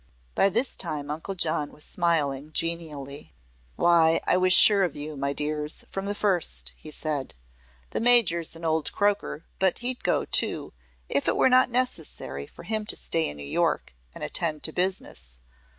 By this time Uncle John was smiling genially. "Why, I was sure of you, my dears, from the first," he said. "The Major's an old croaker, but he'd go, too, if it were not necessary for him to stay in New York and attend to business.